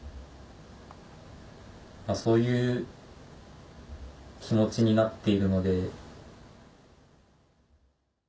そういう気持ちになっているので。